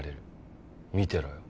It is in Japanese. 見てろよ。